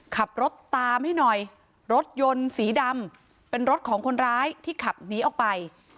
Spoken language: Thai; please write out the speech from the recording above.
ขับรถตามให้หน่อยรถยนต์สีดำเป็นรถของคนร้ายที่ขับหนีออกไป